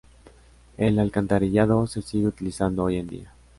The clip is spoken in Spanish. El alcantarillado se sigue utilizando hoy en día.